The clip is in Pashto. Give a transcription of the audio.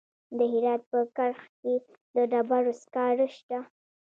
د هرات په کرخ کې د ډبرو سکاره شته.